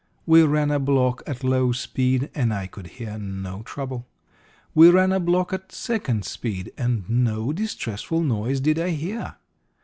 We ran a block at low speed and I could hear no trouble. We ran a block at second speed, and no distressful noise did I hear.